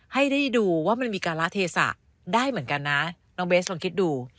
ให้ได้ดูว่ามันมีการละเทศะได้เหมือนกันนะน้องเบสลองคิดดู